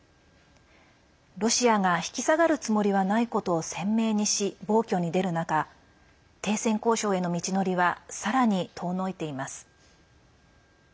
ロシアが引き下がるつもりはないことを鮮明にし暴挙に出る中停戦交渉への道のりはさらに遠のいています。